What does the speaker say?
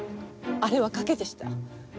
あれは賭けでした。